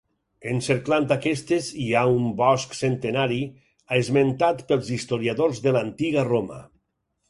Encerclant aquestes hi ha un bosc centenari esmentat pels historiadors de l'antiga Roma.